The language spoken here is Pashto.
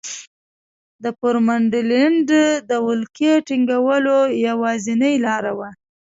دا پر منډلینډ د ولکې ټینګولو یوازینۍ لاره وه.